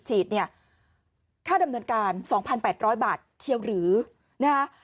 ฉีดเนี้ยค่าดำดันการสองพันแปดร้อยบาทเชียวหรือนะคะ